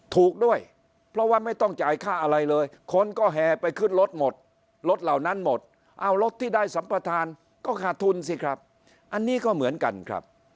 ถูกด้วยเพราะว่าไม่ต้องจ่ายค่าอะไรเลยคนก็แห่ไปขึ้นรถหมดรถเหล่านั้นหมดเอารถที่ได้สัมปทานก็ขาดทุนสิครับอันนี้ก็เหมือนกันครับ